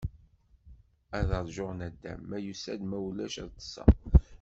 Ad rjuɣ nadam, ma yusa-d, ma ulac ad ṭṭseɣ.